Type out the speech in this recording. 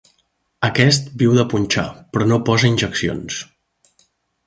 Aquest viu de punxar, però no posa injeccions.